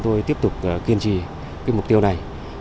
giúp những cán bộ chiến sĩ ở bộ phận